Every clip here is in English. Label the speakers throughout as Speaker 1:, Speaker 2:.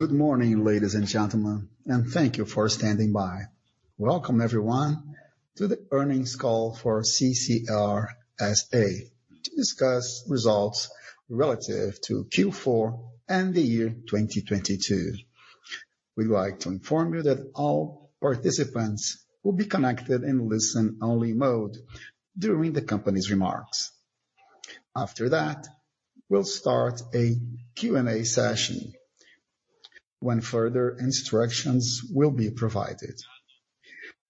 Speaker 1: Good morning, ladies and gentlemen, thank you for standing by. Welcome everyone to the earnings call for CCR S.A. to discuss results relative to Q4 and the year 2022. We'd like to inform you that all participants will be connected in listen-only mode during the company's remarks. After that, we'll start a Q&A session when further instructions will be provided.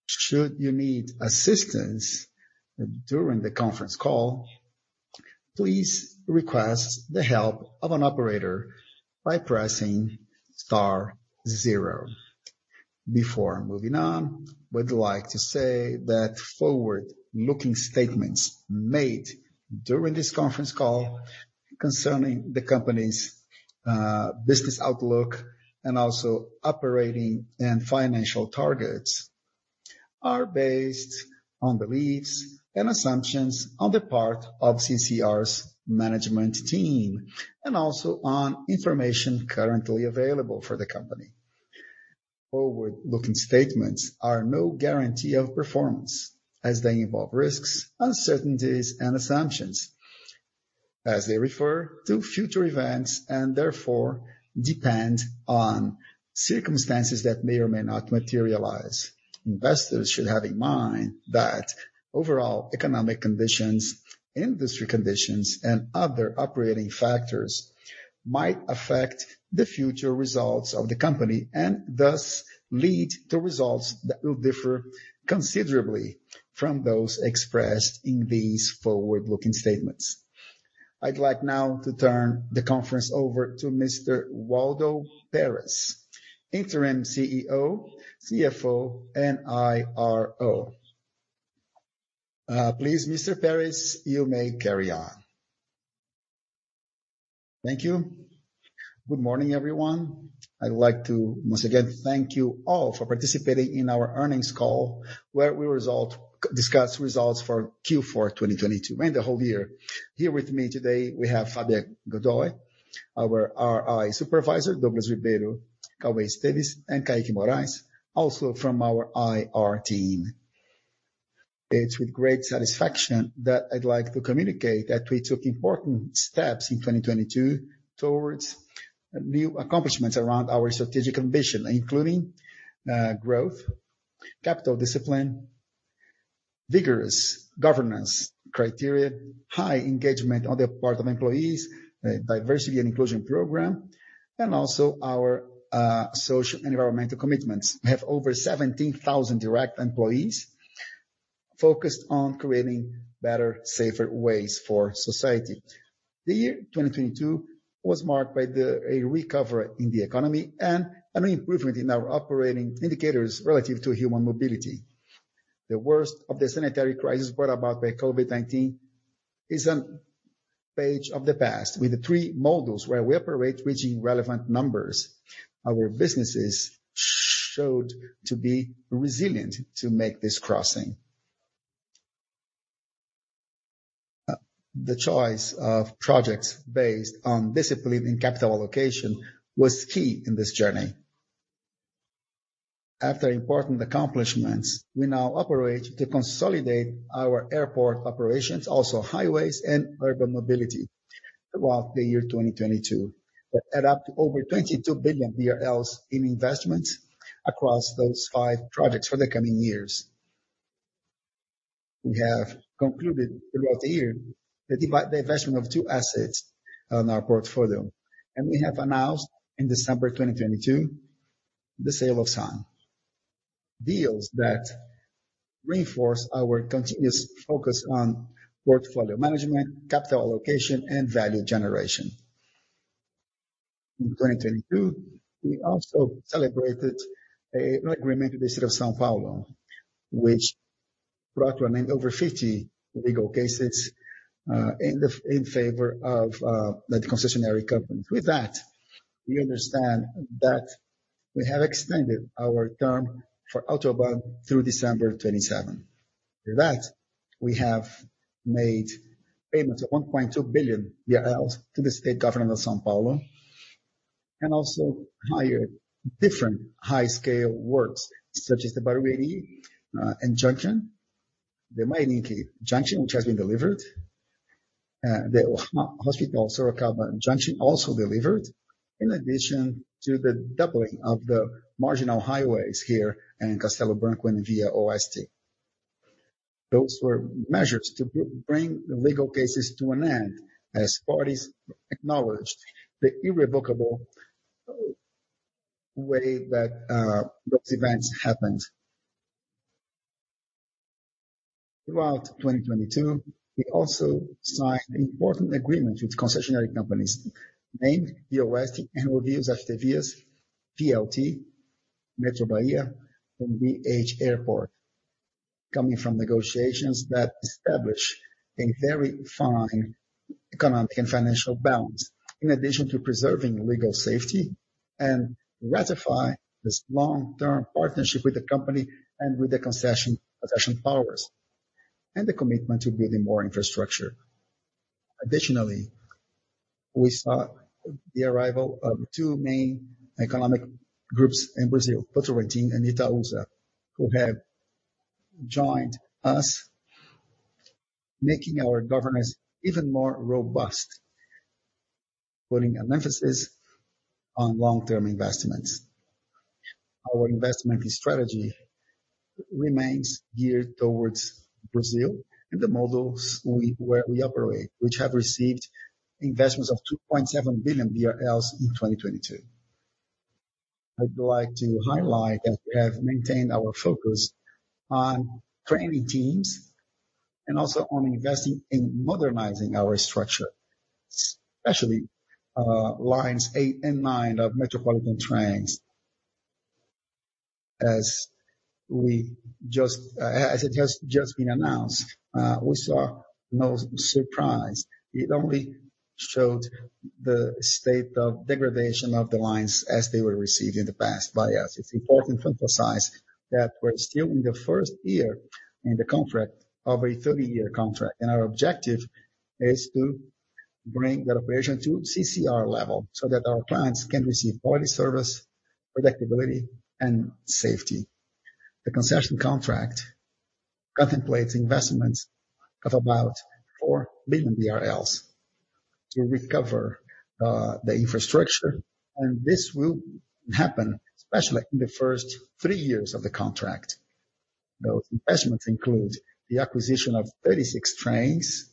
Speaker 1: Should you need assistance during the conference call, please request the help of an operator by pressing star zero. Before moving on, we'd like to say that forward-looking statements made during this conference call concerning the company's business outlook and also operating and financial targets are based on beliefs and assumptions on the part of CCR's management team and also on information currently available for the company. Forward-looking statements are no guarantee of performance as they involve risks, uncertainties, and assumptions as they refer to future events and therefore depend on circumstances that may or may not materialize. Investors should have in mind that overall economic conditions, industry conditions, and other operating factors might affect the future results of the company, and thus lead to results that will differ considerably from those expressed in these forward-looking statements. I'd like now to turn the conference over to Mr. Waldo Perez, interim CEO, CFO, and IRO. Please, Mr. Perez, you may carry on. Thank you. Good morning, everyone. I'd like to once again thank you all for participating in our earnings call, where we discuss results for Q4 2022 and the whole year. Here with me today, we have Fabio Godoy, our IR supervisor, Douglas Ribeiro, Cauê Esteves, and Kaique Moraes, also from our IR team. It's with great satisfaction that I'd like to communicate that we took important steps in 2022 towards new accomplishments around our strategic ambition, including growth, capital discipline, vigorous governance criteria, high engagement on the part of employees, diversity and inclusion program, and also our social and environmental commitments. We have over 17,000 direct employees focused on creating better, safer ways for society. The year 2022 was marked by a recovery in the economy and an improvement in our operating indicators relative to human mobility. The worst of the sanitary crisis brought about by COVID-19 is on page of the past with the three models where we operate reaching relevant numbers. Our businesses showed to be resilient to make this crossing. The choice of projects based on discipline and capital allocation was key in this journey. After important accomplishments, we now operate to consolidate our airport operations, also highways and urban mobility throughout the year 2022 that add up to over 22 billion BRL in investments across those five projects for the coming years. We have concluded throughout the year the investment of two assets on our portfolio, we have announced in December 2022 the sale of SAN. Deals that reinforce our continuous focus on portfolio management, capital allocation, and value generation. In 2022, we also celebrated an agreement with the city of São Paulo, which brought to an end over 50 legal cases, in favor of the concessionary company. With that, we understand that we have extended our term for AutoBAn through December 2027. With that, we have made payments of 1.2 billion to the State Government of São Paulo and also hired different high scale works such as the Barueri and junction, the Mairinque junction which has been delivered, the Hospital Sorocaba junction also delivered in addition to the doubling of the marginal highways here in Castello Branco and ViaOeste. Those were measures to bring the legal cases to an end as parties acknowledged the irrevocable way that those events happened. Throughout 2022, we also signed important agreements with concessionary companies named ViaOeste and Rodovias das Colinas PLT, Metrô Bahia, and BH Airport, coming from negotiations that establish a very fine economic and financial balance in addition to preserving legal safety and ratify this long-term partnership with the company and with the concession powers, and the commitment to building more infrastructure. Additionally, we saw the arrival of two main economic groups in Brazil, Petrobras and Itaúsa, who have joined us, making our governance even more robust, putting an emphasis on long-term investments. Our investment strategy remains geared towards Brazil and the models where we operate, which have received investments of 2.7 billion BRL in 2022. I'd like to highlight that we have maintained our focus on training teams and also on investing in modernizing our structure, especially Lines 8 and 9 of metropolitan trains. It has just been announced, we saw no surprise. It only showed the state of degradation of the lines as they were received in the past by us. It's important to emphasize that we're still in the first year in the contract of a 30-year contract, our objective is to bring the operation to CCR level so that our clients can receive quality service, predictability, and safety. The concession contract contemplates investments of about 4 billion to recover the infrastructure, this will happen especially in the first three years of the contract. Those investments include the acquisition of 36 trains.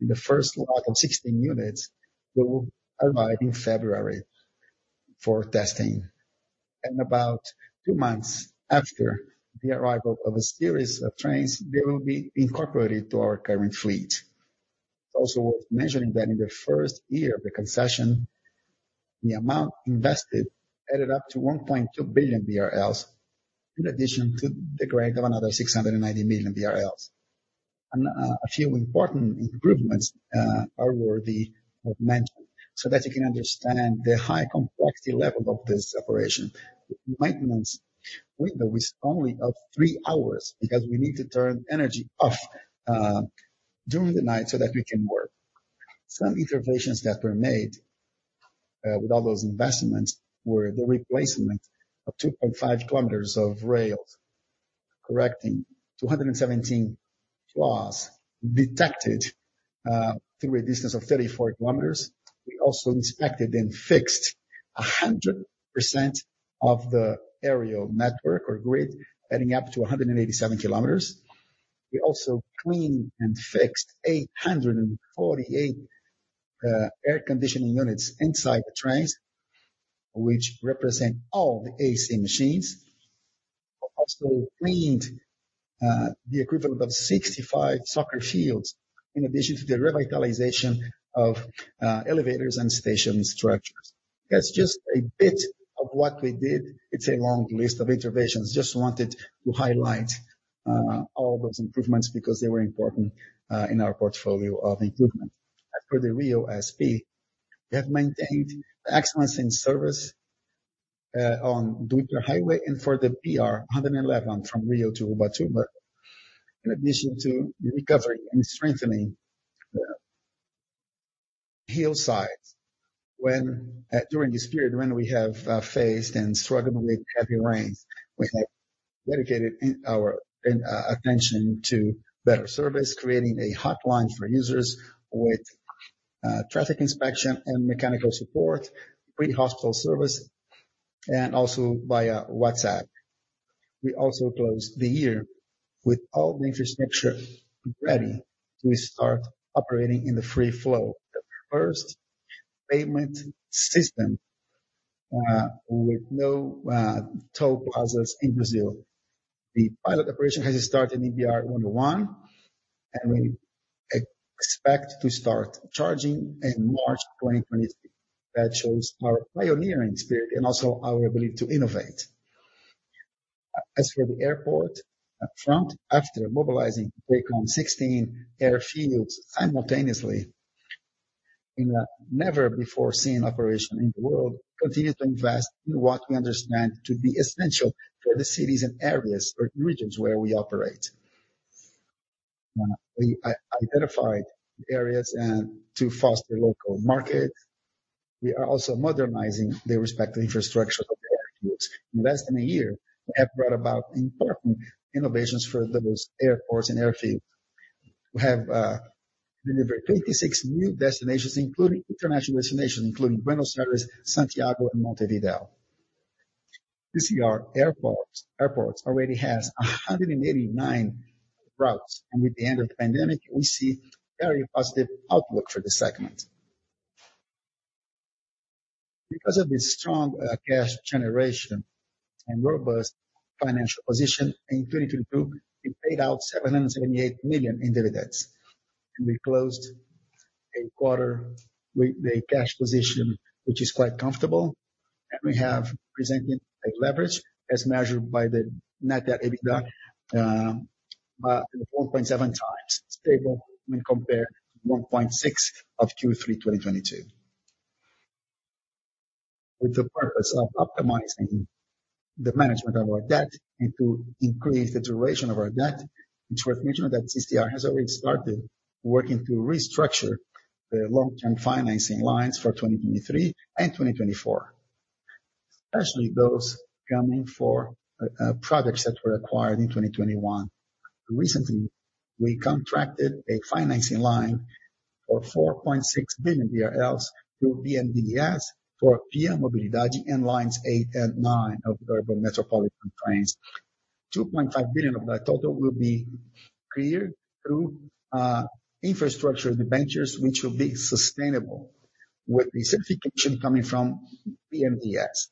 Speaker 1: The first lot of 16 units will arrive in February for testing. About two months after the arrival of a series of trains, they will be incorporated to our current fleet. It's also worth mentioning that in the first year of the concession, the amount invested added up to 1.2 billion BRL, in addition to the grant of another 690 million BRL. A few important improvements are worthy of mention so that you can understand the high complexity level of this operation. The maintenance window is only of 3 hours because we need to turn energy off during the night so that we can work. Some interventions that were made with all those investments were the replacement of 2.5 km of rails, correcting 217 flaws detected through a distance of 34 km. We also inspected and fixed 100% of the aerial network or grid, adding up to 187 km. We also cleaned and fixed 848 air conditioning units inside the trains, which represent all the AC machines. We also cleaned the equivalent of 65 soccer fields in addition to the revitalization of elevators and station structures. That's just a bit of what we did. It's a long list of interventions. Wanted to highlight all those improvements because they were important in our portfolio of improvement. As for the Rio SP, we have maintained excellence in service on the Dutra Highway and for the BR-101 from Rio to Ubatuba. In addition to recovering and strengthening the hillsides when during this period when we have faced and struggled with heavy rains, we have dedicated attention to better service, creating a hotline for users with traffic inspection and mechanical support, pre-hospital service, and also via WhatsApp. We also closed the year with all the infrastructure ready to start operating in the free-flow, the first payment system with no toll plazas in Brazil. The pilot operation has started in BR-101, we expect to start charging in March 2023. That shows our pioneering spirit and also our ability to innovate. As for the airport front, after mobilizing to take on 16 airfields simultaneously in a never-before-seen operation in the world, continue to invest in what we understand to be essential for the cities and areas or regions where we operate. We identified areas and to foster local market. We are also modernizing the respective infrastructure of the airfields. In less than a year, we have brought about important innovations for those airports and airfields. We have delivered 26 new destinations, including international destinations, including Buenos Aires, Santiago, and Montevideo. CCR Aeroportos already has 189 routes, and with the end of the pandemic, we see very positive outlook for the segment. Because of the strong cash generation and robust financial position in 2022, we paid out 778 million in dividends, and we closed a quarter with a cash position which is quite comfortable. We have presented a leverage as measured by the net debt EBITDA in 4.7 times. Stable when compared to 1.6 of Q3 2022. With the purpose of optimizing the management of our debt and to increase the duration of our debt. It's worth mentioning that CCR has already started working to restructure the long-term financing lines for 2023 and 2024, especially those coming for projects that were acquired in 2021. Recently, we contracted a financing line for 4.6 billion BRL through BNDES for ViaMobilidade and Lines 8 and 9 of the urban metropolitan trains. 2.5 billion of that total will be cleared through infrastructure debentures, which will be sustainable, with the certification coming from BNDES.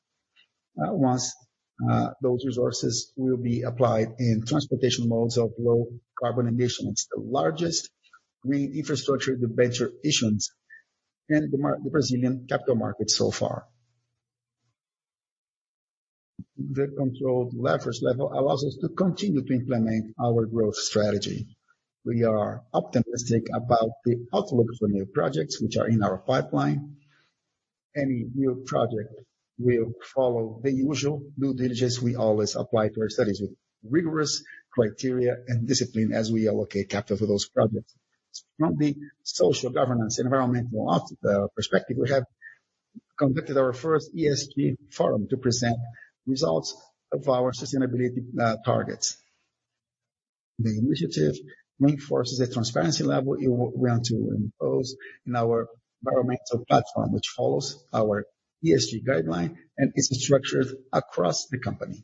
Speaker 1: Once those resources will be applied in transportation modes of low carbon emissions, the largest green infrastructure debenture issuance in the Brazilian capital market so far. The controlled leverage level allows us to continue to implement our growth strategy. We are optimistic about the outlook for new projects which are in our pipeline. Any new project will follow the usual due diligence we always apply to our studies with rigorous criteria and discipline as we allocate capital for those projects. From the social governance and environmental perspective, we have conducted our first ESG forum to present results of our sustainability targets. The initiative reinforces the transparency level we want to impose in our environmental platform, which follows our ESG guideline and is structured across the company.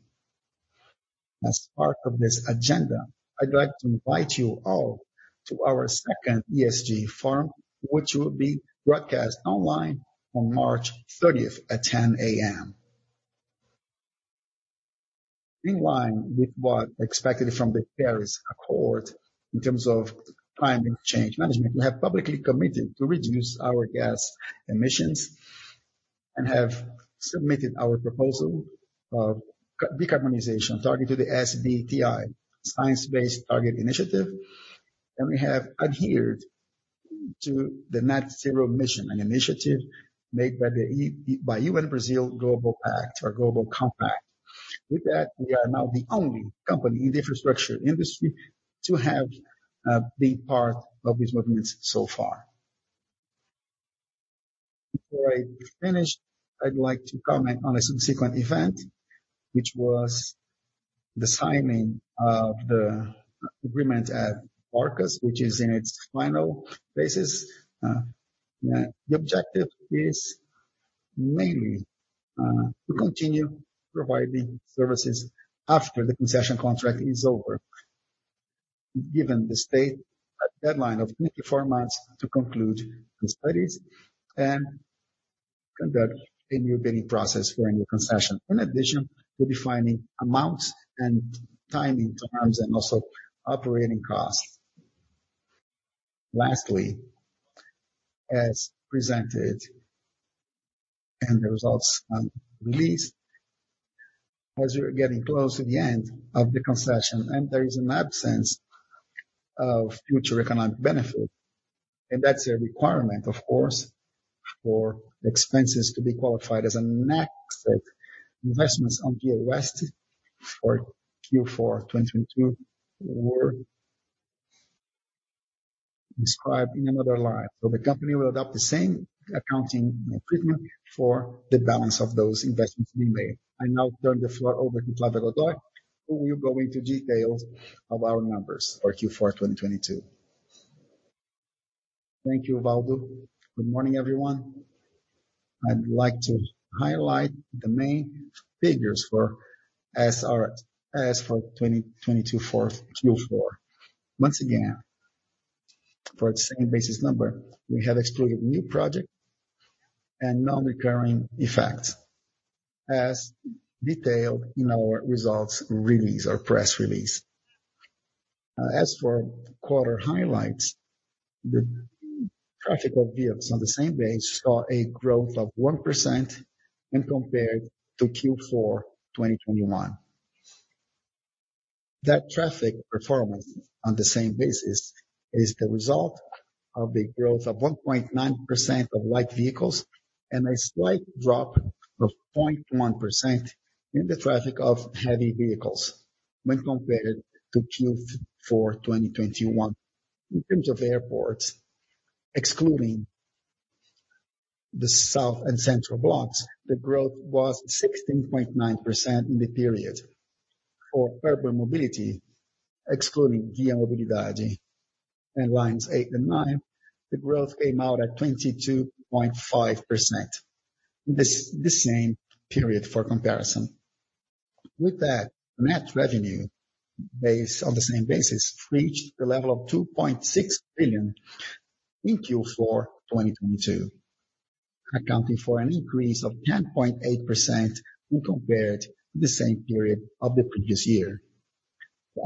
Speaker 1: As part of this agenda, I'd like to invite you all to our second ESG forum, which will be broadcast online on March 30th at 10:00 A.M. In line with what's expected from the Paris Accord in terms of climate change management, we have publicly committed to reduce our gas emissions and have submitted our proposal of decarbonization targeted to the SBTI, Science Based Targets initiative, and we have adhered to the net-zero emissions, an initiative made by UN Brazil Global Pact or Global Compact. We are now the only company in the infrastructure industry to have been part of these movements so far. Before I finish, I'd like to comment on a subsequent event, which was the signing of the agreement at Barcas, which is in its final phases. The objective is mainly to continue providing services after the concession contract is over. Given the state a deadline of 24 months to conclude these studies and conduct a new bidding process for a new concession. In addition, we'll be finding amounts and timing terms and also operating costs. Lastly, as presented and the results released, as we are getting close to the end of the concession and there is an absence of future economic benefit, and that's a requirement, of course, for expenses to be qualified as a nexus. Investments on ViaOeste for Q4 2022 were described in another light. The company will adopt the same accounting treatment for the balance of those investments being made. I now turn the floor over to Flávia Godoy, who will go into details of our numbers for Q4 2022. Thank you, Waldo. Good morning, everyone. I'd like to highlight the main figures for SRS for 2022, Q4. Once again, for the same basis number, we have excluded new projects and non-recurring effects, as detailed in our results release or press release. As for quarter highlights, the traffic of vehicles on the same base saw a growth of 1% when compared to Q4 2021. That traffic performance on the same basis is the result of a growth of 1.9% of light vehicles and a slight drop of 0.1% in the traffic of heavy vehicles when compared to Q4 2021. In terms of airports, excluding the South and Central blocks, the growth was 16.9% in the period. For urban mobility, excluding ViaMobilidade and Lines 8 and 9, the growth came out at 22.5%, this same period for comparison. With that, net revenue base on the same basis reached a level of 2.6 billion in Q4 2022, accounting for an increase of 10.8% when compared to the same period of the previous year.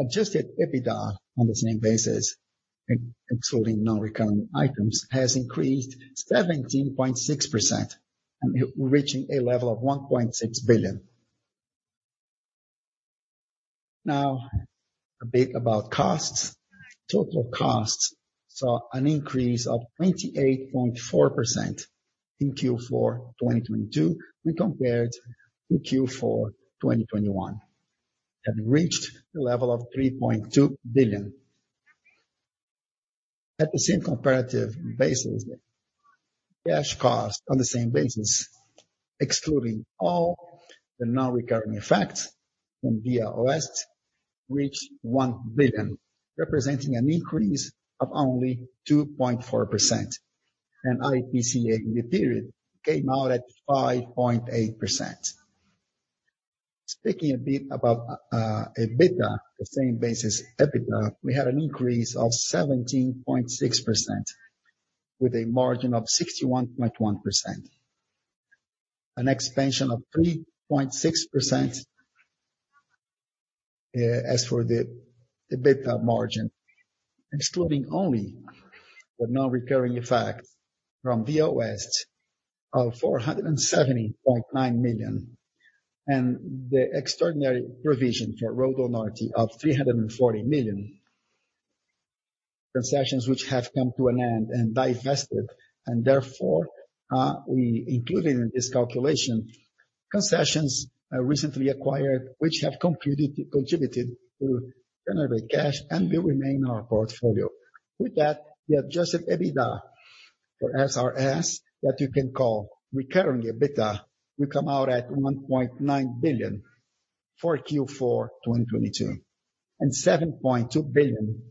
Speaker 1: Adjusted EBITDA on the same basis and excluding non-recurring items, has increased 17.6%, reaching a level of 1.6 billion. Now a bit about costs. Total costs saw an increase of 28.4% in Q4 2022 when compared to Q4 2021, and reached a level of 3.2 billion. At the same comparative basis, cash costs on the same basis, excluding all the non-recurring effects from ViaOeste, reached 1 billion, representing an increase of only 2.4%. IPCA in the period came out at 5.8%. Speaking a bit about EBITDA, the same basis, EBITDA, we had an increase of 17.6% with a margin of 61.1%. An expansion of 3.6% as for the EBITDA margin, excluding only the non-recurring effect from ViaOeste of 470.9 million, and the extraordinary provision for RodoNorte of 340 million. Concessions which have come to an end and divested and therefore, we included in this calculation concessions recently acquired, which have contributed to generate cash and will remain in our portfolio. The adjusted EBITDA for SRS, that you can call recurring EBITDA, will come out at 1.9 billion for Q4 2022, and 7.2 billion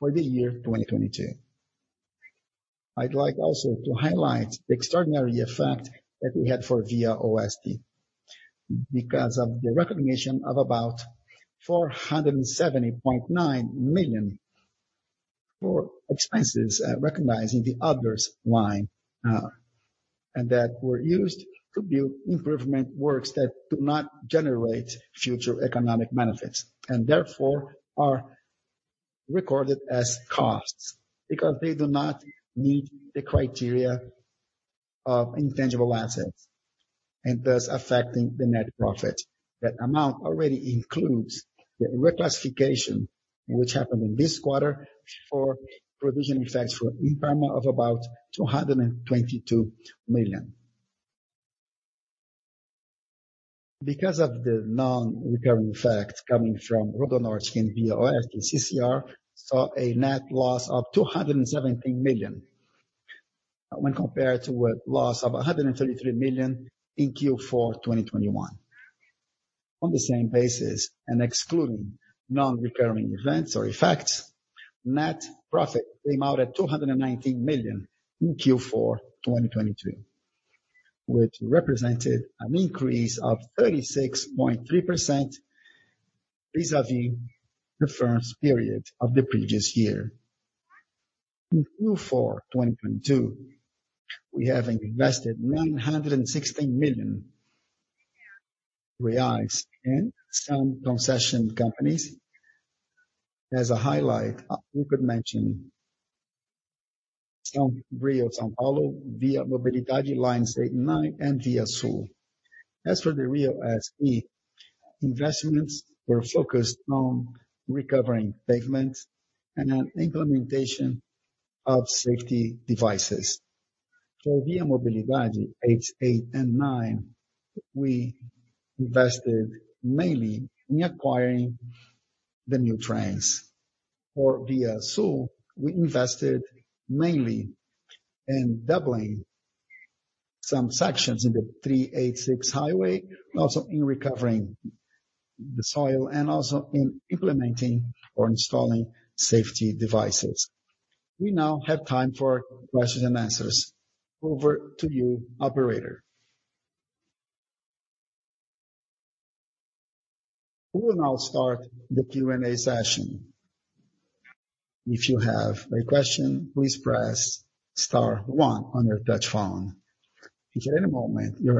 Speaker 1: for the year 2022. I'd like also to highlight the extraordinary effect that we had for ViaOeste because of the recognition of about 470.9 million for expenses, recognized in the others line, and that were used to build improvement works that do not generate future economic benefits and therefore are recorded as costs because they do not meet the criteria of intangible assets and thus affecting the net profit. That amount already includes the reclassification which happened in this quarter for provision effects for Imparma of about 222 million. Of the non-recurring effects coming from RodoNorte and ViaOeste, CCR saw a net loss of 217 million when compared to a loss of 133 million in Q4 2021. On the same basis, excluding non-recurring events or effects, net profit came out at 219 million in Q4 2022, which represented an increase of 36.3% vis-à-vis the first period of the previous year. In Q4 2022, we have invested 960 million reais in some concession companies. As a highlight, we could mention some Rio-São Paulo ViaMobilidade Line 8 and Line 9 and ViaSul. As for the Rio SE, investments were focused on recovering pavements and an implementation of safety devices. For ViaMobilidade H, Line 8, and Line 9, we invested mainly in acquiring the new trains. For ViaSul, we invested mainly in doubling some sections in the BR-386 highway, also in recovering the soil and also in implementing or installing safety devices. We now have time for questions and answers. Over to you, operator. We will now start the Q&A session. If you have a question, please press star 1 on your touch phone. If at any moment you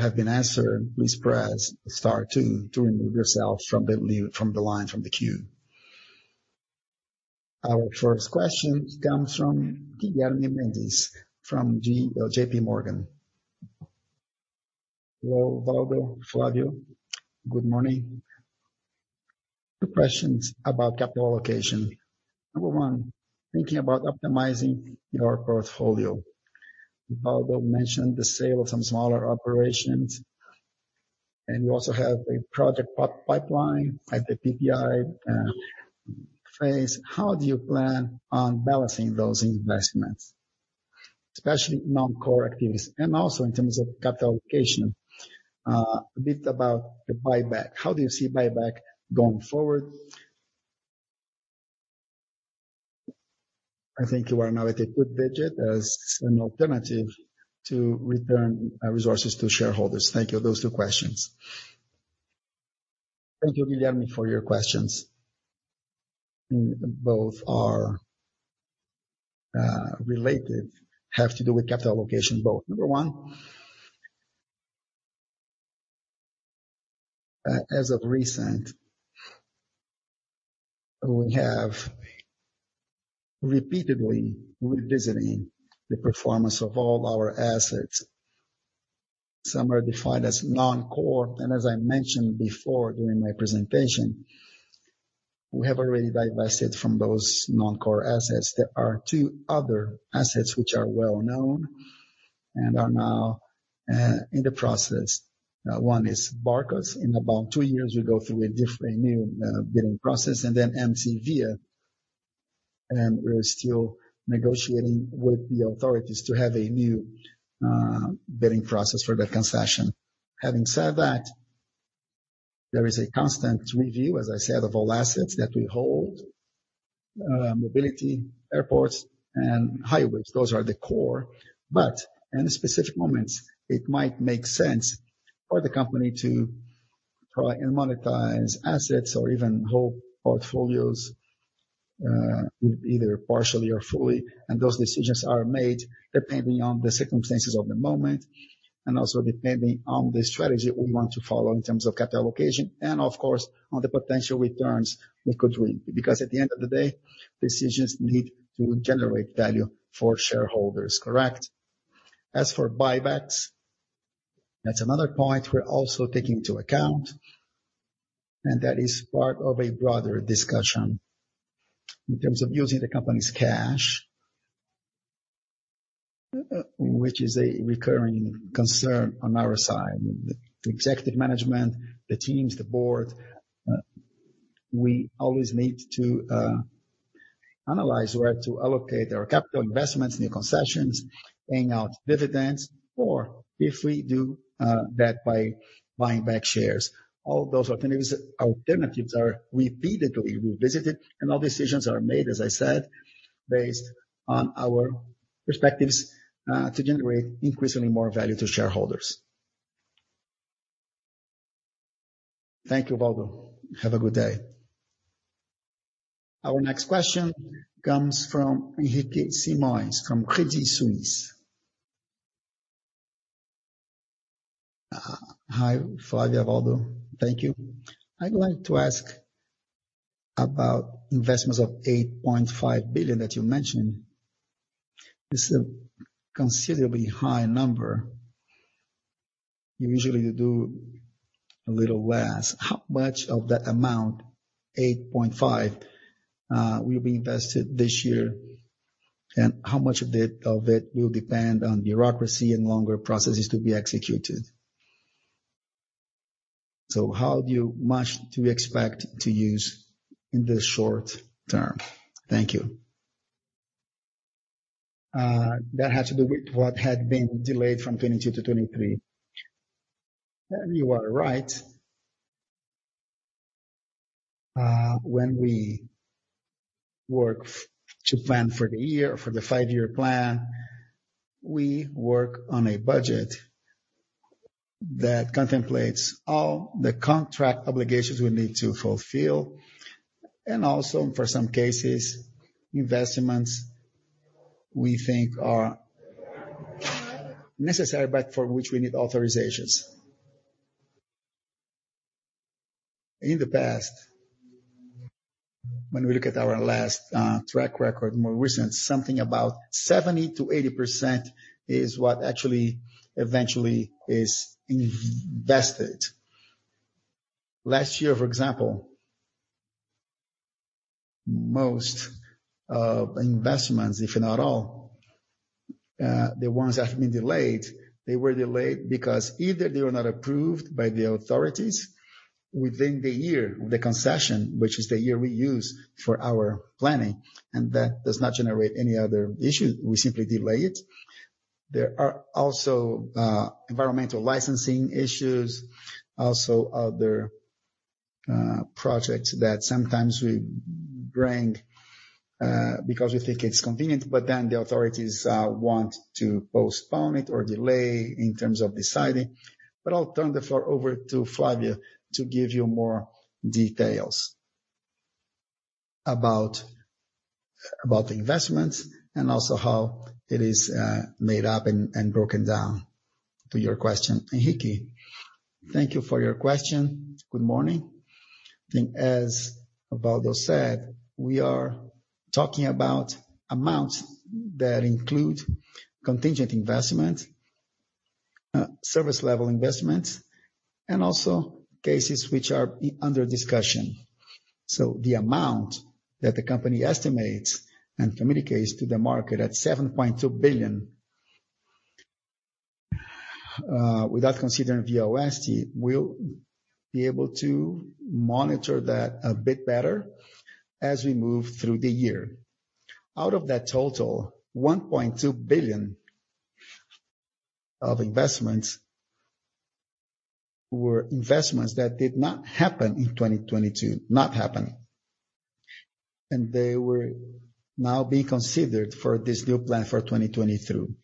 Speaker 1: have been answered, please press star 2 to remove yourself from the line, from the queue. Our first question comes from Guilherme Mendes from J.P. Morgan. Hello, Waldo, Flávio. Good morning. Two questions about capital allocation. Number 1, thinking about optimizing your portfolio. Valdo mentioned the sale of some smaller operations. You also have a project pipeline at the PPI phase. How do you plan on balancing those investments, especially non-core activities, and also in terms of capital allocation, a bit about the buyback. How do you see buyback going forward? I think you are now at a good digit as an alternative to return resources to shareholders. Thank you. Those two questions. Thank you, Guilherme, for your questions. Both are related, have to do with capital allocation both. Number one, we have repeatedly revisiting the performance of all our assets. Some are defined as non-core, as I mentioned before during my presentation, we have already divested from those non-core assets. There are two other assets which are well known and are now in the process. One is Barcas. In about two years, we go through a new bidding process, then MSVia, and we're still negotiating with the authorities to have a new bidding process for that concession. Having said that, there is a constant review, as I said, of all assets that we hold, mobility, airports, and highways. Those are the core. In specific moments, it might make sense for the company to try and monetize assets or even whole portfolios, either partially or fully. Those decisions are made depending on the circumstances of the moment and also depending on the strategy we want to follow in terms of capital allocation and, of course, on the potential returns we could win. At the end of the day, decisions need to generate value for shareholders. Correct. As for buybacks, that's another point we're also taking into account, that is part of a broader discussion in terms of using the company's cash, which is a recurring concern on our side. The executive management, the teams, the board, we always need to analyze where to allocate our capital investments, new concessions, paying out dividends, or if we do that by buying back shares. All those alternatives are repeatedly revisited, all decisions are made, as I said, based on our perspectives, to generate increasingly more value to shareholders. Thank you, Valdo. Have a good day. Our next question comes from Henrique Simões from Credit Suisse. Hi, Flavia, Valdo. Thank you. I'd like to ask about investments of 8.5 billion that you mentioned. This is a considerably high number. You usually do a little less. How much of that amount, 8.5, will be invested this year? How much of it will depend on bureaucracy and longer processes to be executed? How much do you expect to use in the short term? Thank you. That has to do with what had been delayed from 2022 to 2023. You are right. When we work to plan for the year, for the five-year plan, we work on a budget that contemplates all the contract obligations we need to fulfill and also for some cases, investments we think are necessary but for which we need authorizations. In the past, when we look at our last track record more recent, something about 70%-80% is what actually eventually is invested. Last year, for example, most investments, if not all, the ones that have been delayed, they were delayed because either they were not approved by the authorities within the year of the concession, which is the year we use for our planning, and that does not generate any other issue. We simply delay it. There are also environmental licensing issues, also other projects that sometimes we bring because we think it's convenient, but then the authorities want to postpone it or delay in terms of deciding. But I'll turn the floor over to Flávia to give you more details about the investments and also how it is made up and broken down to your question. Henrique, thank you for your question. Good morning. I think as Waldo said, we are talking about amounts that include contingent investment, service level investments, and also cases which are under discussion. The amount that the company estimates and communicates to the market at 7.2 billion, without considering VOST, we'll be able to monitor that a bit better as we move through the year. Out of that total, 1.2 billion of investments were investments that did not happen in 2022. Not happen. They were now being considered for this new plan for 2022.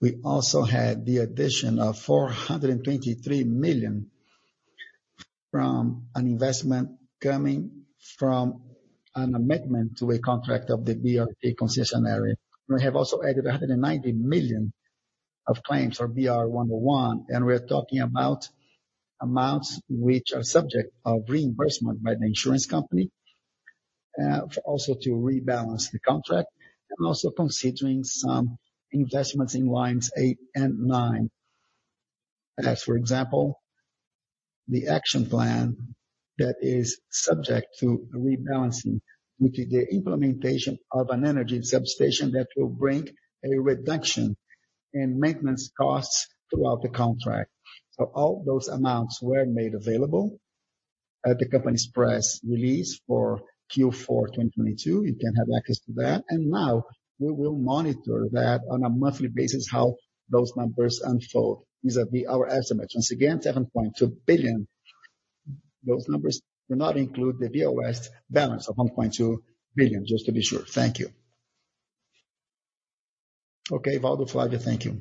Speaker 1: We also had the addition of 423 million from an investment coming from an amendment to a contract of the BRT concessionaire. We have also added 190 million of claims for BR-101, we're talking about amounts which are subject of reimbursement by the insurance company. Also to rebalance the contract and also considering some investments in lines 8 and 9. As for example, the action plan that is subject to rebalancing with the implementation of an energy substation that will bring a reduction in maintenance costs throughout the contract. All those amounts were made available at the company's press release for Q4 2022. You can have access to that. Now we will monitor that on a monthly basis, how those numbers unfold vis-à-vis our estimates. Once again, 7.2 billion. Those numbers do not include the VOS balance of 1.2 billion, just to be sure. Thank you. Okay, Waldo, Flávia, thank you.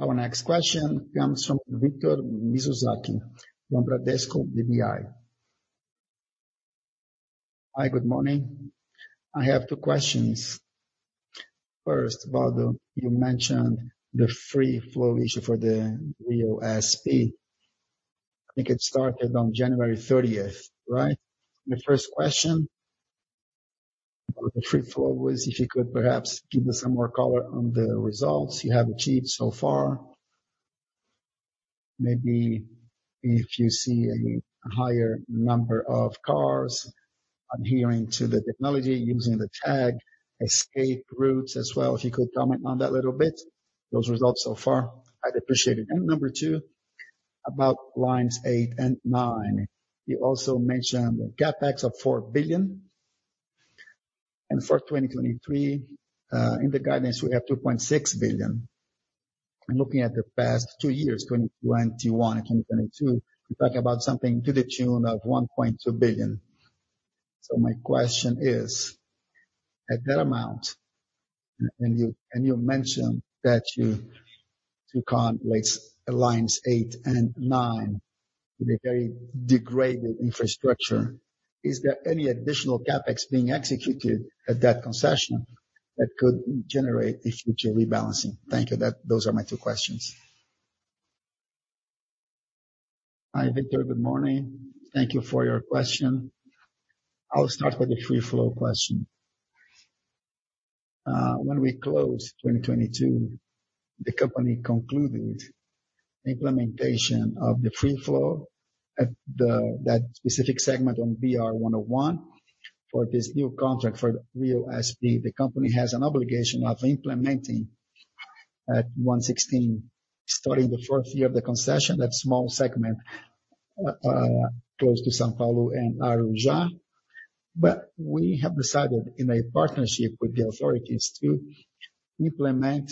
Speaker 1: Our next question comes from Victor Mizusaki from Bradesco BBI. Hi, good morning. I have two questions. First, Waldo, you mentioned the free-flow issue for the Rio SP. I think it started on January 30th, right? My first question about the free-flow is if you could perhaps give us some more color on the results you have achieved so far. Maybe if you see a higher number of cars adhering to the technology, using the tag, escape routes as well. If you could comment on that a little bit, those results so far, I'd appreciate it. Number two, about Lines 8 and 9. You also mentioned the CapEx of 4 billion. For 2023, in the guidance, we have 2.6 billion. Looking at the past two years, 2021 and 2022, we're talking about something to the tune of 1.2 billion. My question is, at that amount, and you mentioned that you can't waste Lines eight and nine with a very degraded infrastructure. Is there any additional CapEx being executed at that concession that could generate a future rebalancing? Thank you. Those are my two questions. Hi, Victor. Good morning. Thank you for your question. I'll start with the free-flow question. When we closed 2022, the company concluded implementation of the free-flow at that specific segment on BR-101. For this new contract for Rio SP, the company has an obligation of implementing at BR-116, starting the first year of the concession, that small segment close to São Paulo and Arujá. We have decided in a partnership with the authorities to implement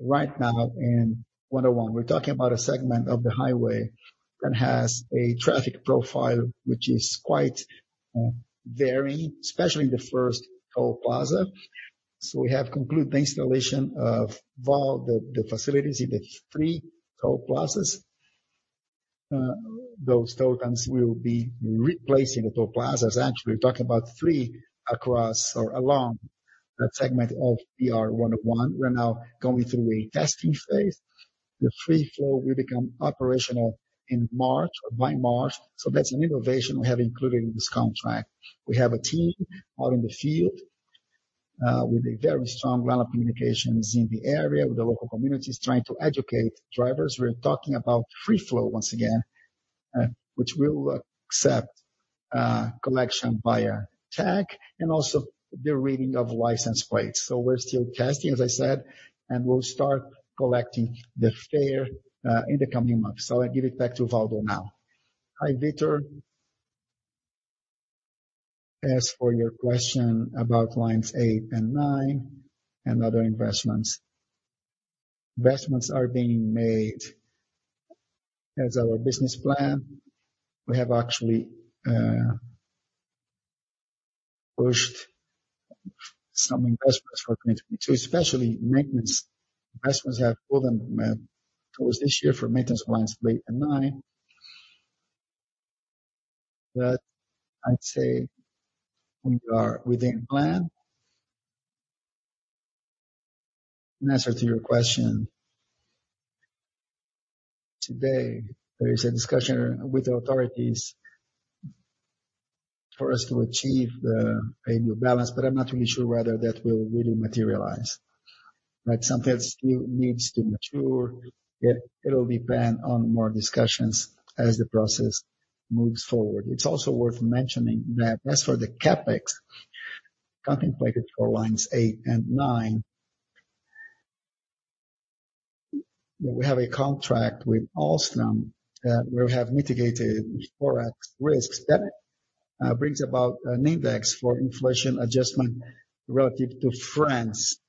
Speaker 1: right now in BR-101. We're talking about a segment of the highway that has a traffic profile which is quite varying, especially in the first toll plaza. We have concluded the installation of all the facilities in the three toll plazas. Those tokens will be replacing the toll plazas. Actually, we're talking about three across or along that segment of BR-101. We're now going through a testing phase. The free-flow will become operational in March or by March. That's an innovation we have included in this contract. We have a team out in the field, with a very strong ground communications in the area, with the local communities, trying to educate drivers. We're talking about free-flow once again, which will accept collection via tag and also the reading of license plates. We're still testing, as I said, and we'll start collecting the fare in the coming months. I give it back to Waldo now. Hi, Victor. As for your question about lines 8 and 9 and other investments. Investments are being made as our business plan. We have actually pushed some investments for 2022, especially maintenance. Investments have more than met towards this year for maintenance lines 8 and 9. I'd say we are within plan. In answer to your question, today, there is a discussion with the authorities for us to achieve a new balance, but I'm not really sure whether that will really materialize. Right? Something still needs to mature. It'll depend on more discussions as the process moves forward. It's also worth mentioning that as for the CapEx contemplated for lines 8 and 9, we have a contract with Alstom where we have mitigated ForEx risks. That brings about an index for inflation adjustment relative to France,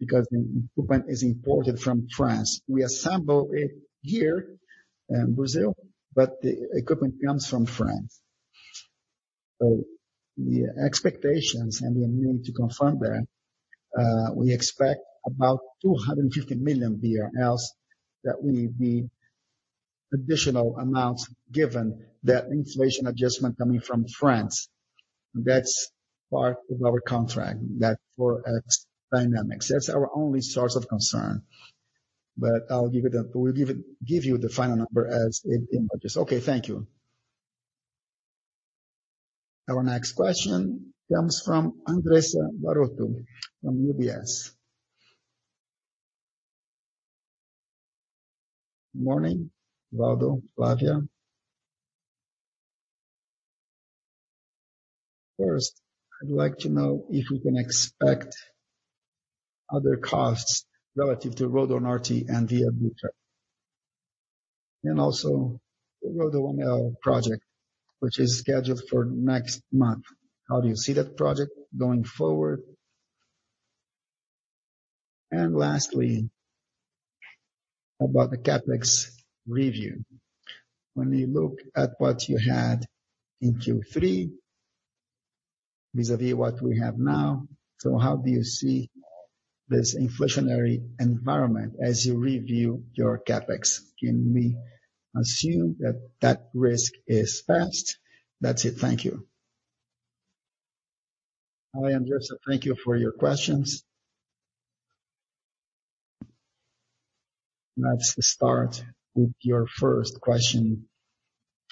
Speaker 1: because the equipment is imported from France. We assemble it here in Brazil, the equipment comes from France. The expectations, and we are willing to confirm that, we expect about 250 million BRL that will be additional amounts given that inflation adjustment coming from France, that's part of our contract that for Forex dynamics. That's our only source of concern. We'll give you the final number as it emerges. Okay, thank you. Our next question comes from Andressa Varotto from UBS. Morning, Waldo, Flávia. First, I'd like to know if we can expect other costs relative to RodoNorte and Via Dutra. Also the Rodoanel project, which is scheduled for next month. How do you see that project going forward? Lastly, about the CapEx review. When you look at what you had in Q3 vis-a-vis what we have now. How do you see this inflationary environment as you review your CapEx? Can we assume that that risk is passed? That's it. Thank you. Hi, Andressa. Thank you for your questions. Let's start with your first question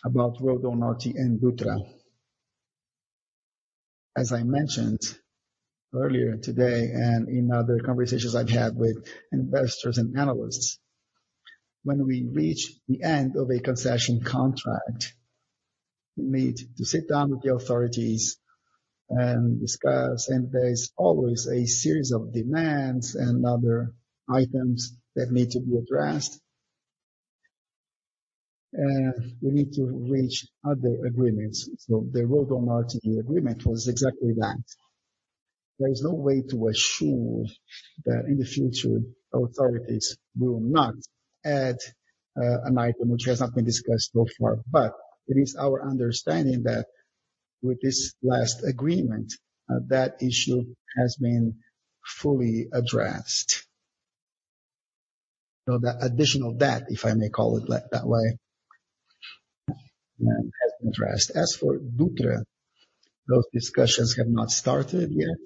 Speaker 1: about RodoNorte and Dutra. As I mentioned earlier today, and in other conversations I've had with investors and analysts, when we reach the end of a concession contract, we need to sit down with the authorities and discuss, and there is always a series of demands and other items that need to be addressed. We need to reach other agreements. The RodoNorte agreement was exactly that. There is no way to assure that in the future, authorities will not add an item which has not been discussed thus far. It is our understanding that with this last agreement, that issue has been fully addressed. The additional debt, if I may call it that way, has been addressed. As for Dutra, those discussions have not started yet.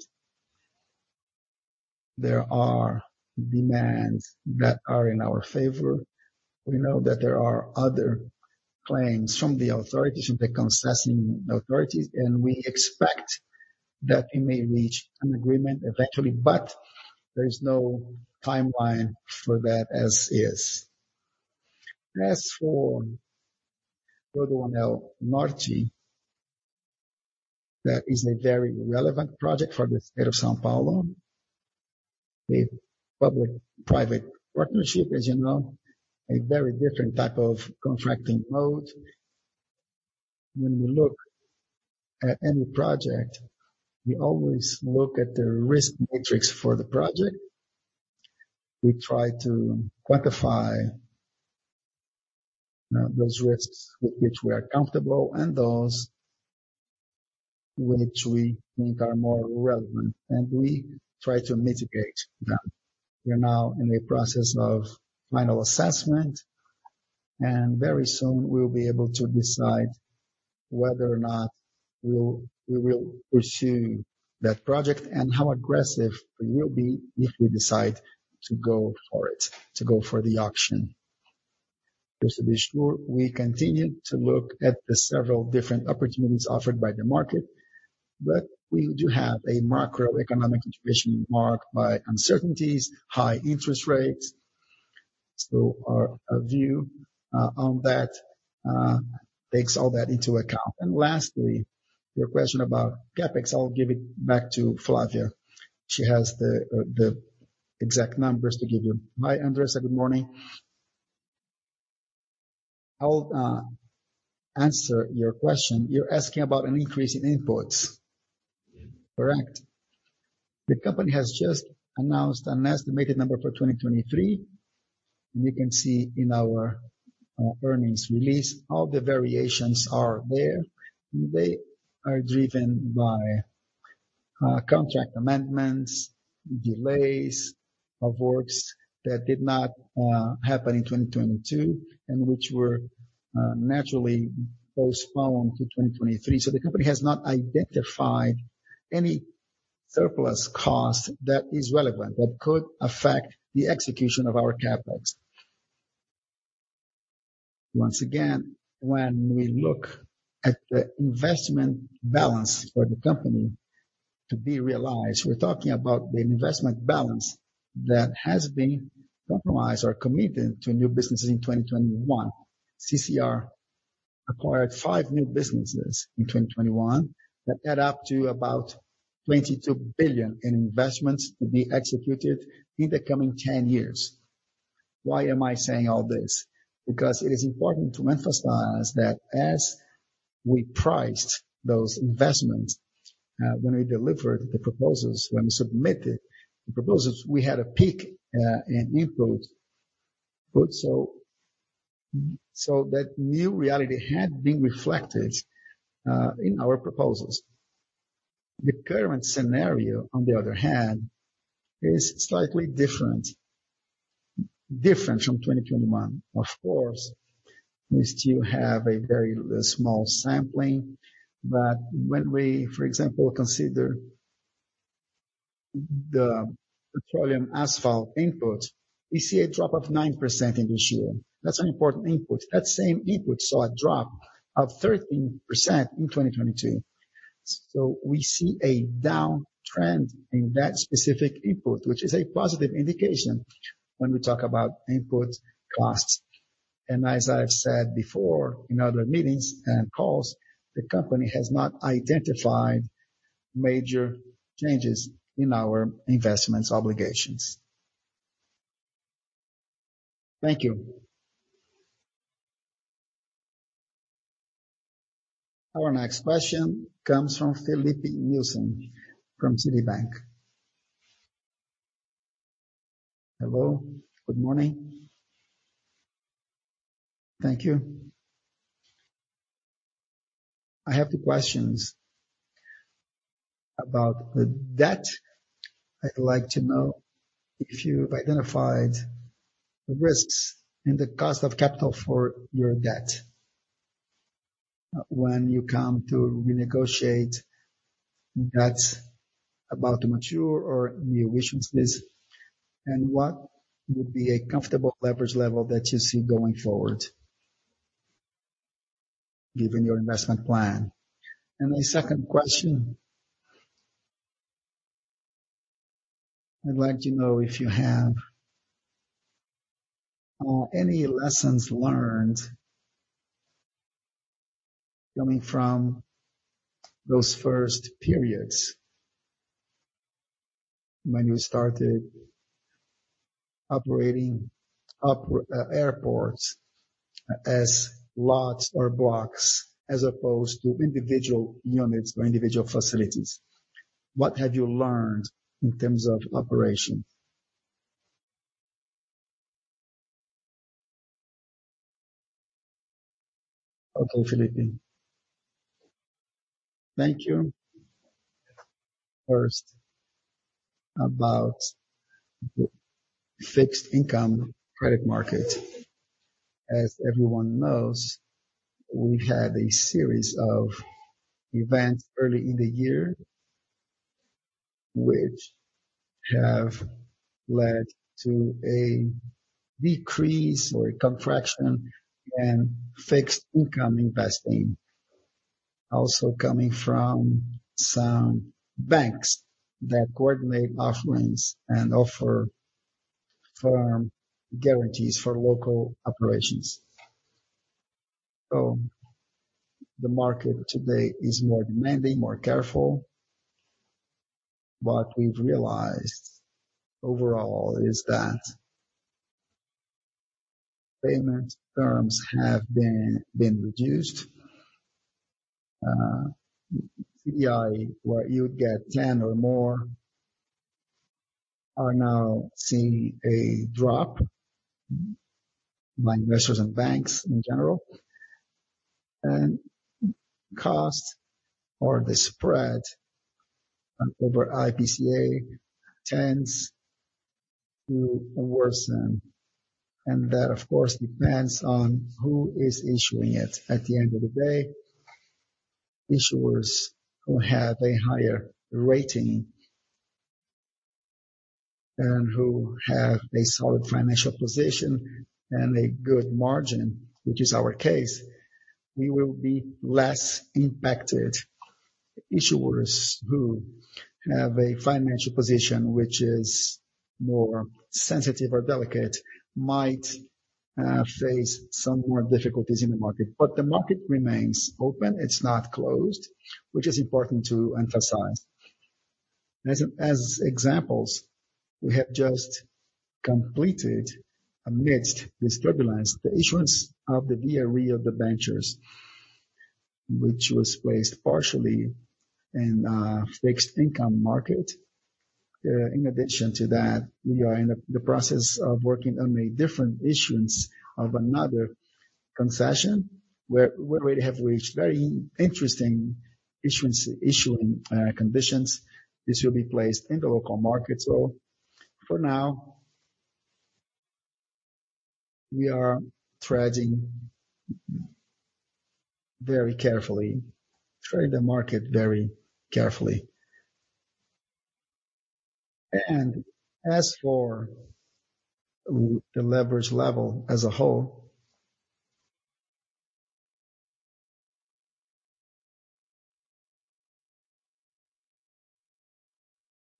Speaker 1: There are demands that are in our favor. We know that there are other claims from the authorities, from the concessing authorities, and we expect that we may reach an agreement eventually, but there is no timeline for that as is. As for Rodoanel Norte, that is a very relevant project for the state of São Paulo. A public-private partnership, as you know, a very different type of contracting mode. When you look at any project, we always look at the risk matrix for the project. We try to quantify those risks with which we are comfortable and those which we think are more relevant, and we try to mitigate them. We're now in a process of final assessment. Very soon we will be able to decide whether or not we will pursue that project and how aggressive we will be if we decide to go for it, to go for the auction. Just to be sure, we continue to look at the several different opportunities offered by the market, but we do have a macroeconomic contribution marked by uncertainties, high interest rates. Our view on that takes all that into account. Lastly, your question about CapEx. I'll give it back to Flavia. She has the exact numbers to give you. Hi, Andressa. Good morning. I'll answer your question. You're asking about an increase in inputs, correct? The company has just announced an estimated number for 2023. You can see in our earnings release, all the variations are there. They are driven by contract amendments, delays of works that did not happen in 2022 and which were naturally postponed to 2023. The company has not identified any surplus cost that is relevant that could affect the execution of our CapEx. Once again, when we look at the investment balance for the company to be realized, we're talking about the investment balance that has been compromised or committed to new businesses in 2021. CCR acquired five new businesses in 2021 that add up to about 22 billion in investments to be executed in the coming 10 years. Why am I saying all this? It is important to emphasize that as we priced those investments, when we delivered the proposals, when we submitted the proposals, we had a peak in input, put so that new reality had been reflected in our proposals. The current scenario, on the other hand, is slightly different from 2021. We still have a very small sampling, but when we, for example, consider the petroleum asphalt input, we see a drop of 9% in this year. That's an important input. That same input saw a drop of 13% in 2022. We see a down trend in that specific input, which is a positive indication when we talk about input costs. As I've said before in other meetings and calls, the company has not identified major changes in our investments obligations. Thank you. Our next question comes from Felipe Nielsen from Citigroup. Hello, good morning. Thank you. I have 2 questions about the debt. I'd like to know if you've identified the risks in the cost of capital for your debt when you come to renegotiate debts about to mature or new issuances. What would be a comfortable leverage level that you see going forward given your investment plan? My second question, I'd like to know if you have any lessons learned coming from those first periods when you started operating up airports as lots or blocks as opposed to individual units or individual facilities. What have you learned in terms of operation? Okay, Filipe. Thank you. First, about the fixed income credit market. Everyone knows, we've had a series of events early in the year, which have led to a decrease or a contraction in fixed income investing, also coming from some banks that coordinate offerings and offer firm guarantees for local operations. The market today is more demanding, more careful. What we've realized overall is that payment terms have been reduced. CDI, where you would get 10 or more, are now seeing a drop by investors and banks in general. Costs or the spread over IPCA tends to worsen, and that of course, depends on who is issuing it. At the end of the day, issuers who have a higher rating and who have a solid financial position and a good margin, which is our case, we will be less impacted. Issuers who have a financial position which is more sensitive or delicate might face some more difficulties in the market. The market remains open. It's not closed, which is important to emphasize. As examples, we have just completed amidst this turbulence, the issuance of the BRE of the ventures, which was placed partially in a fixed income market. In addition to that, we are in the process of working on a different issuance of another concession where we have reached very interesting issuing conditions. This will be placed in the local market. For now, we are threading very carefully, threading the market very carefully. As for the leverage level as a whole-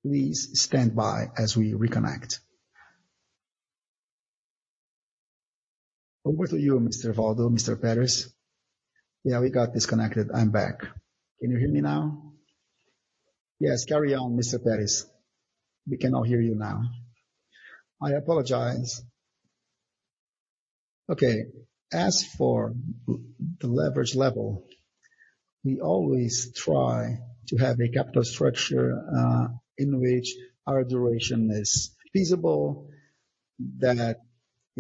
Speaker 1: Please stand by as we reconnect. Over to you, Mr. Waldo, Mr. Peres. Yeah, we got disconnected. I'm back. Can you hear me now? Yes, carry on, Mr. Peres. We can all hear you now. I apologize. Okay. As for the leverage level, we always try to have a capital structure in which our duration is feasible. It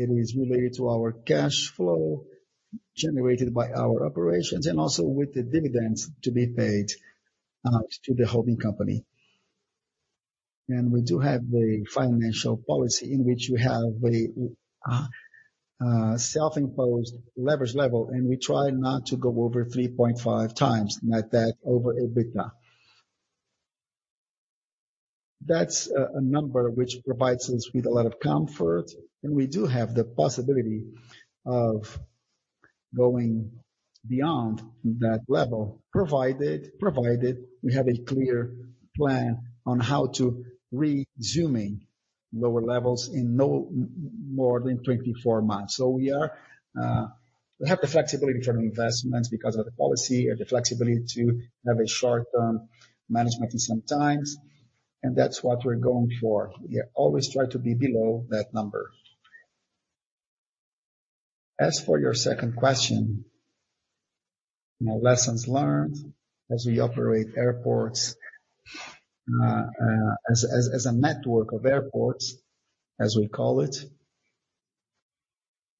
Speaker 1: is related to our cash flow generated by our operations and also with the dividends to be paid to the holding company. We do have a financial policy in which we have a self-imposed leverage level, and we try not to go over 3.5 times net debt over EBITDA. That's a number which provides us with a lot of comfort, and we do have the possibility of going beyond that level, provided we have a clear plan on how to resuming lower levels in no more than 24 months. We have the flexibility for investments because of the policy or the flexibility to have a short-term management in some times, and that's what we're going for. We always try to be below that number. As for your second question, my lessons learned as we operate airports, as a network of airports, as we call it,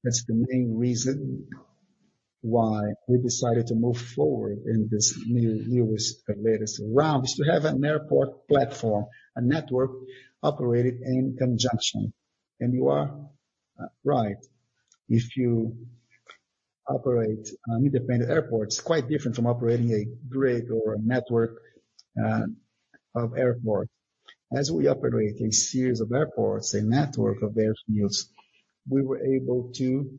Speaker 1: that's the main reason why we decided to move forward in this new, newest or latest round, is to have an airport platform, a network operated in conjunction. You are right. If you operate independent airports, quite different from operating a grid or a network of airport. As we operate a series of airports, a network of airfields, we were able to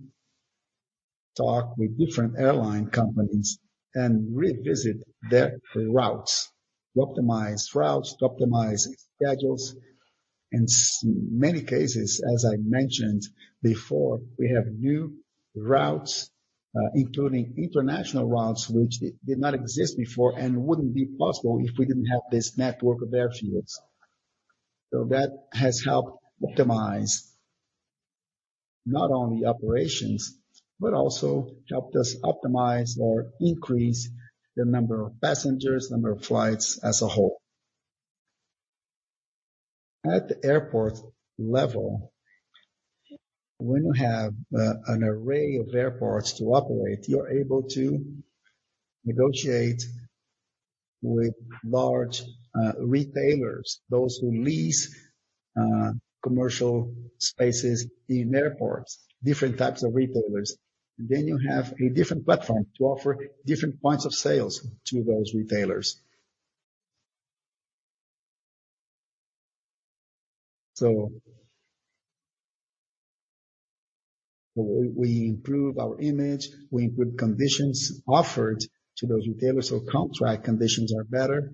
Speaker 1: talk with different airline companies and revisit their routes, optimize routes, optimize schedules. In many cases, as I mentioned before, we have new routes, including international routes, which did not exist before and wouldn't be possible if we didn't have this network of airfields. That has helped optimize not only operations, but also helped us optimize or increase the number of passengers, number of flights as a whole. At the airport level, when you have an array of airports to operate, you're able to negotiate with large retailers, those who lease commercial spaces in airports, different types of retailers. You have a different platform to offer different points of sales to those retailers. We improve our image, we improve conditions offered to those retailers, contract conditions are better.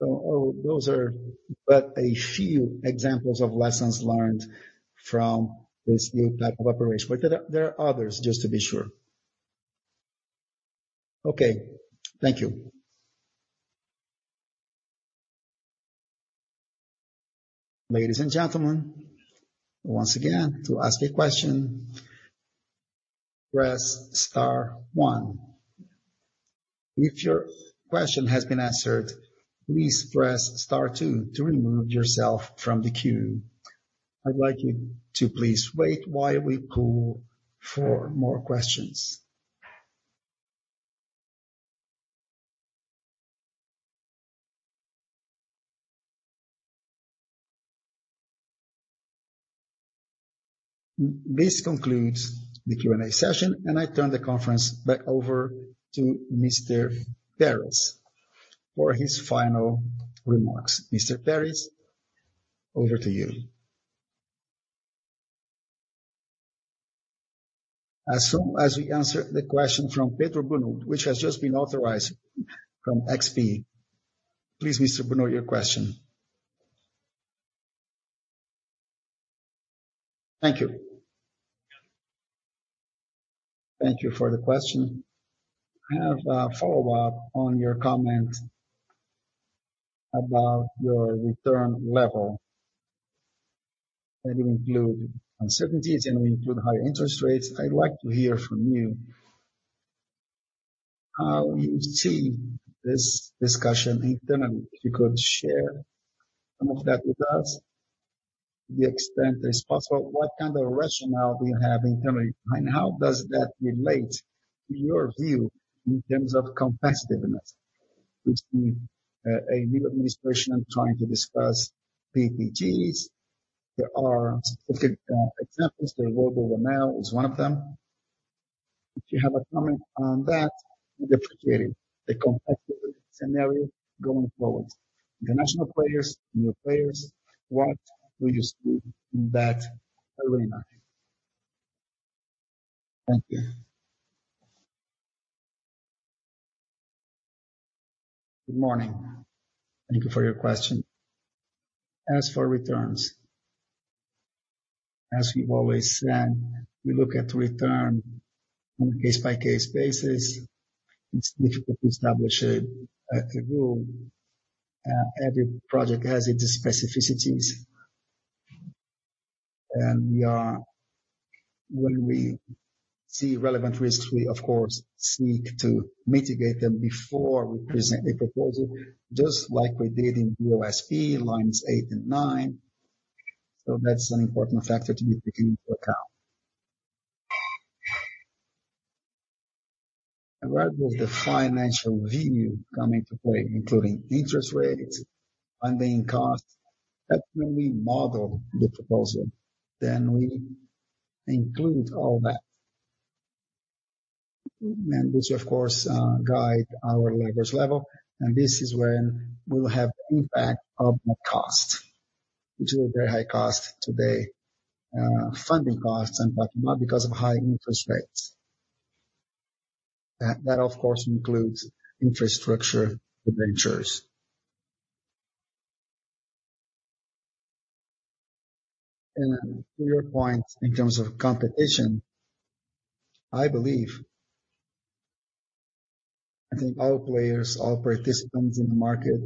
Speaker 1: Those are but a few examples of lessons learned from this new type of operation. There are others, just to be sure. Okay, thank you. Ladies and gentlemen, once again, to ask a question, press star one. If your question has been answered, please press star two to remove yourself from the queue. I'd like you to please wait while we call for more questions. This concludes the Q&A session, and I turn the conference back over to Mr. Peres for his final remarks. Mr. Peres, over to you. As soon as we answer the question from Pedro Bruno, which has just been authorized from XP. Please, Mr. Bruno, your question. Thank you. Thank you for the question. I have a follow-up on your comment about your return level that include uncertainties and include high interest rates. I'd like to hear from you how you see this discussion internally. If you could share some of that with us to the extent is possible, what kind of rationale do you have internally? How does that relate to your view in terms of competitiveness between a new administration trying to discuss PPPs? There are specific examples. The road over Natal is one of them. If you have a comment on that, we'd appreciate it. The competitive scenario going forward, international players, new players, what do you see in that arena? Thank you. Good morning. Thank you for your question. As for returns, as we've always said, we look at return on a case-by-case basis. It's difficult to establish a rule. Every project has its specificities. And when we see relevant risks, we of course seek to mitigate them before we present a proposal, just like we did in BOSP lines eight and nine. That's an important factor to be taken into account. Where does the financial view come into play, including interest rates, funding costs? That's when we model the proposal, then we include all that. Which of course, guide our leverage level, and this is when we'll have impact of net cost, which is a very high cost today, funding costs and but not because of high interest rates. That of course includes infrastructure ventures. To your point, in terms of competition, I think all players, all participants in the market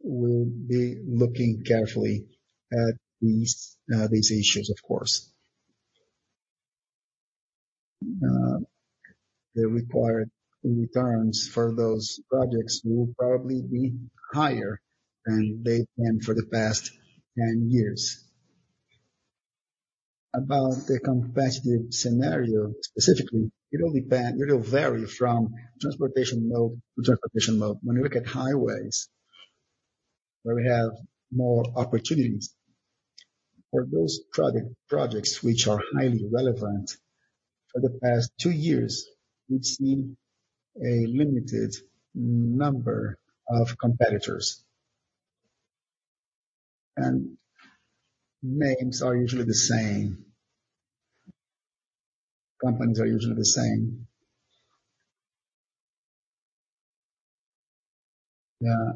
Speaker 1: will be looking carefully at these issues, of course. The required returns for those projects will probably be higher than they've been for the past 10 years. About the competitive scenario, specifically, it will vary from transportation mode to transportation mode. When you look at highways where we have more opportunities for those projects which are highly relevant for the past two years, we've seen a limited number of competitors. Names are usually the same. Companies are usually the same.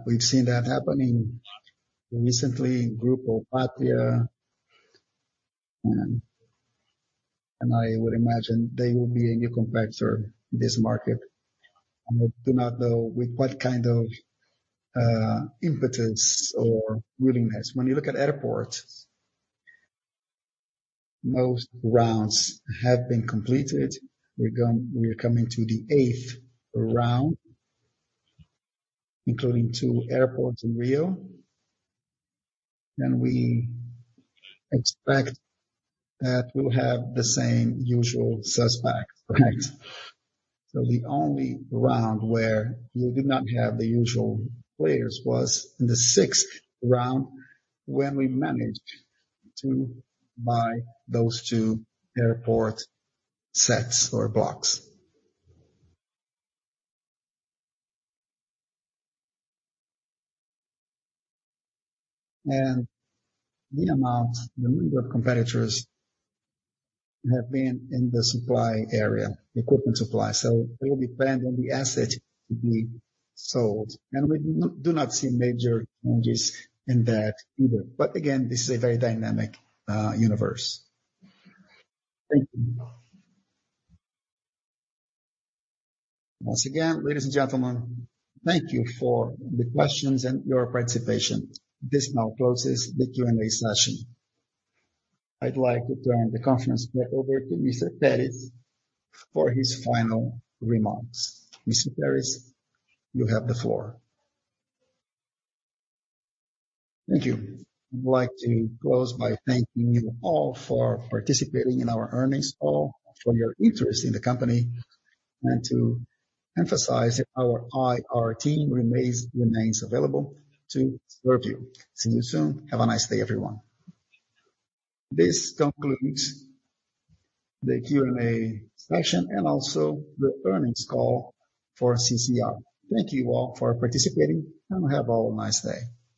Speaker 1: We've seen that happening recently in Grupo Pátria, and I would imagine they will be a new competitor in this market. I do not know with what kind of impetus or willingness. When you look at airports, most rounds have been completed. We're coming to the eighth round, including two airports in Rio. We expect that we'll have the same usual suspects, right? The only round where we did not have the usual players was in the sixth round, when we managed to buy those two airport sets or blocks. The amount, the number of competitors have been in the supply area, equipment supply. It will depend on the asset to be sold. We do not see major changes in that either. Again, this is a very dynamic universe. Thank you. Once again, ladies and gentlemen, thank you for the questions and your participation. This now closes the Q&A session. I'd like to turn the conference back over to Mr. Telles for his final remarks. Mr. Telles, you have the floor. Thank you. I would like to close by thanking you all for participating in our earnings call, for your interest in the company, and to emphasize that our IR team remains available to serve you. See you soon. Have a nice day, everyone. This concludes the Q&A session and also the earnings call for CCR. Thank you all for participating, and have a nice day.